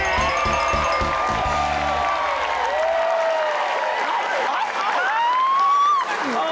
เออ